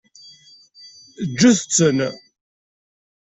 Ǧǧet-ten.